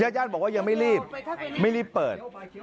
ญาติบอกว่ายังไม่รีบไม่รีบเปิด